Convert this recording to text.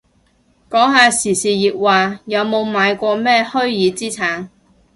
講下時事熱話，有冇買過咩虛擬資產